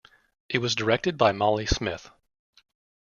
It was directed by Molly Smith.